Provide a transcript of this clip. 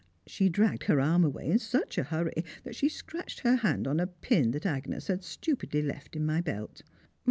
She dragged her arm away in such a hurry that she scratched her hand on a pin that Agnès had stupidly left in my belt.